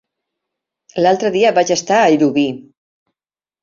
L'altre dia vaig estar a Llubí.